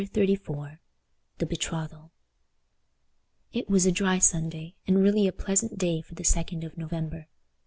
Chapter XXXIV The Betrothal It was a dry Sunday, and really a pleasant day for the 2d of November.